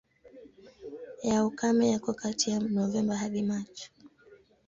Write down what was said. Ya ukame yako kati ya Novemba hadi Machi.